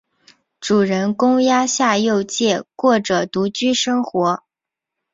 主人公鸭下佑介过着独居生活。